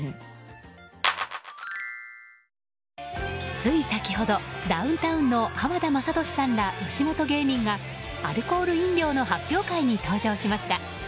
つい先ほどダウンタウンの浜田雅功さんら吉本芸人がアルコール飲料の発表会に登場しました。